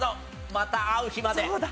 『また逢う日まで』。